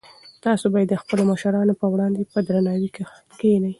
تاسي باید د خپلو مشرانو په وړاندې په درناوي کښېنئ.